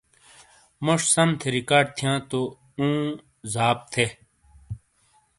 موش سَم تھے ریکارڈ تھِیئاں تو ("اُوں" 👍) زاب تھے۔